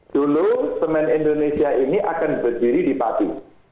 dulu semen indonesia ini akan berdiri di pati